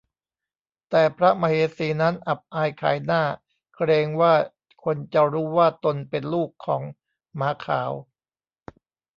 แต่พระมเหสีนั้นอับอายขายหน้าเกรงว่าคนจะรู้ว่าตนเป็นลูกของหมาขาว